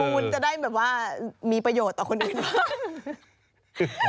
คุณจะได้แบบว่ามีประโยชน์ต่อคนอื่น